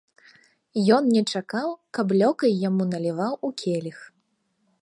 Ён не чакаў, каб лёкай яму наліваў у келіх.